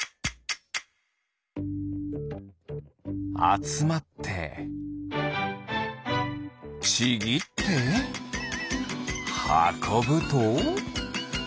あつまってちぎってはこぶと。